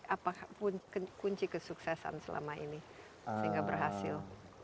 apa kunci kesuksesan selama ini sehingga berhasil